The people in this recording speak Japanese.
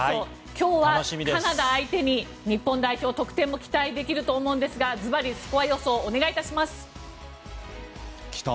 今日はカナダ相手に日本代表、得点も期待できると思うんですがズバリスコア予想をお願いします。